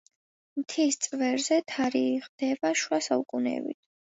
მთის წვერზე თარიღდება შუა საუკუნეებით.